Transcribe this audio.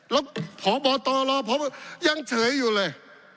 แล้วผอบตรรอผอบตรรยังเฉยอยู่เลย